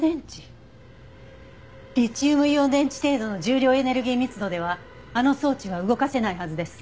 リチウムイオン電池程度の重量エネルギー密度ではあの装置は動かせないはずです。